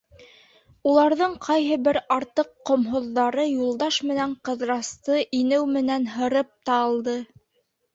Уларҙың ҡайһы бер артыҡ ҡомһоҙҙары Юлдаш менән Ҡыҙырасты, инеү менән, һырып та алды.